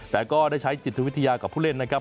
แต่ก็ได้ใช้จิตวิทยากับผู้เล่นนะครับ